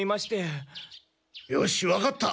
よしわかった。